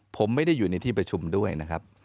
ผมไม่ได้อยู่ในที่ประชุมด้วยนะครับ